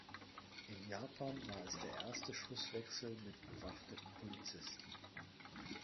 In Japan war es der erste Schusswechsel mit bewaffneten Polizisten.